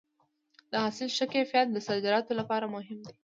د حاصل ښه کیفیت د صادراتو لپاره مهم دی.